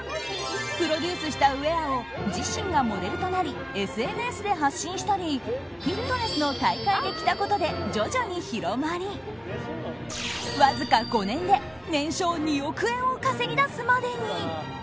プロデュースしたウェアを自身がモデルとなりＳＮＳで発信したりフィットネスの大会で着たことで徐々に広まり、わずか５年で年商２億円を稼ぎ出すまでに。